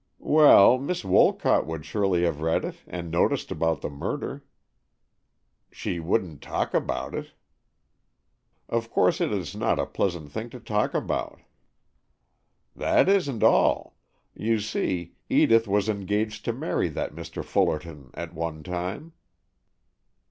"Well, Miss Wolcott would surely have read it and noticed about the murder." "She wouldn't talk about it." "Of course it is not a pleasant thing to talk about." "That isn't all. You see, Edith was engaged to marry that Mr. Fullerton at one time."